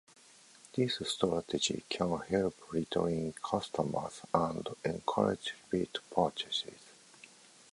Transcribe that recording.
This strategy can help retain customers and encourage repeat purchases.